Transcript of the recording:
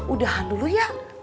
udahan dulu ya